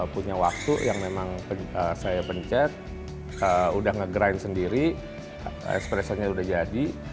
punya waktu yang memang saya pencet udah nge grind sendiri expressionnya udah jadi